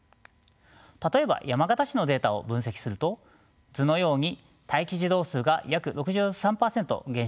例えば山形市のデータを分析すると図のように待機児童数が約６３％減少しています。